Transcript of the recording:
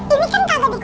ini kan kagak dikunci